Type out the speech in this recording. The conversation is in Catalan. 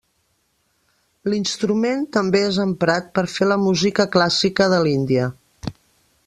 L'instrument, també és emprat per fer la música clàssica de l'Índia.